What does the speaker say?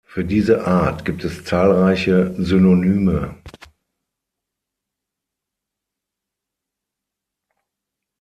Für diese Art gibt es zahlreiche Synonyme.